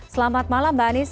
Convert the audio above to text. selamat malam mbak anies